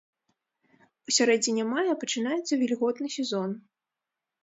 У сярэдзіне мая пачынаецца вільготны сезон.